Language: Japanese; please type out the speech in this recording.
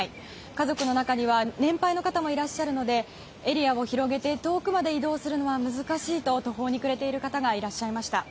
家族の中には年配の方もいらっしゃるのでエリアを広げて遠くまで移動するのは難しいと途方に暮れている方がいらっしゃいました。